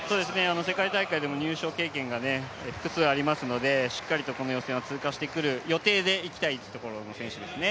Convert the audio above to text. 世界大会でも入賞経験が複数あるので、しっかりとこの予選を通過してくる予定でいきたい選手ですね。